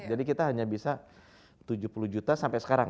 jadi kita hanya bisa tujuh puluh juta sampai sekarang